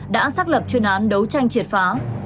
đã xác lập chuyên án đấu tranh triệt phá